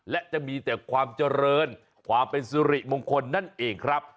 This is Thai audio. และจะมีแต่ความเจริญความเป็นสุริมงคลนั่นเองครับ